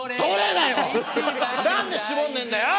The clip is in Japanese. なんで絞んねえんだよ！